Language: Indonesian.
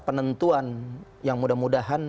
penentuan yang mudah mudahan